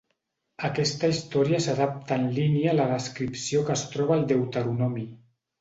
Aquesta història s'adapta en línia a la descripció que es troba al Deuteronomi.